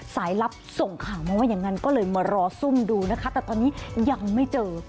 สายลับส่งข่าวมาว่าอย่างนั้นก็เลยมารอซุ่มดูนะคะแต่ตอนนี้ยังไม่เจอ